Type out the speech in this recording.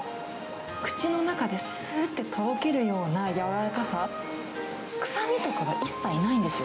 口の中ですーってとろけるようなやわらかさ、臭みとかが一切ないんですよ。